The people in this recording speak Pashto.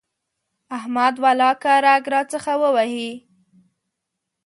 احمد ولاکه رګ راڅخه ووهي.